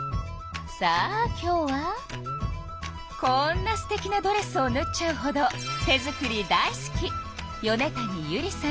さあ今日はこんなすてきなドレスをぬっちゃうほど手作り大好き。